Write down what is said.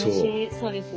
そうですよね。